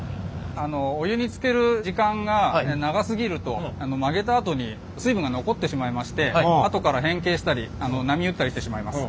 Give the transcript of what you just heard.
お湯につける時間が長すぎると曲げたあとに水分が残ってしまいましてあとから変形したり波打ったりしてしまいます。